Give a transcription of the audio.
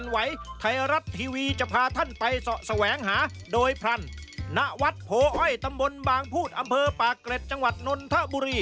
ไปติดตามพร้อมกันเลยครับ